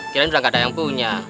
kirain udah gak ada yang punya